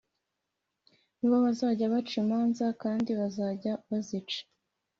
Ni bo bazajya baca imanza b kandi bazajya bazica